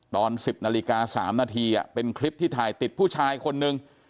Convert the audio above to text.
ตอน๑๐นาฬิกา๓นาทีเป็นคลิปที่ถ่ายติดผู้ชายคนนึง